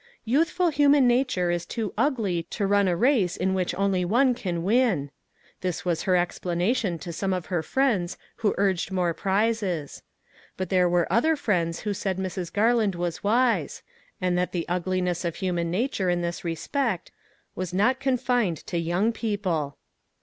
" Youthful human nature is too ugly to run a race in which only one can win." This was her explanation to some of her friends who urged more prizes ; but there were other friends who said Mrs. Garland was wise, and that the ugliness of human nature in this respect was not confined to young people.